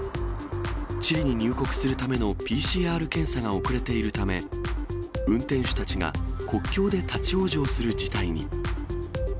チリに入国するためのＰＣＲ検査が遅れているため、運転手たちが国境で立往生する事態に。